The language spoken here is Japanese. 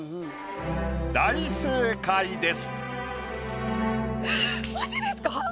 大正解です。